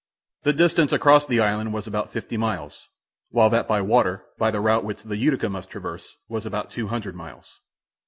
The distance across the island was about fifty miles, while that by water, by the route which the Utica must traverse, was about two hundred miles.